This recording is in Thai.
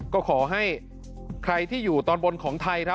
ก็ขอให้ใครที่อยู่ตอนบนของไทยครับ